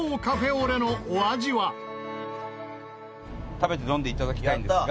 食べて飲んでいただきたいんですが。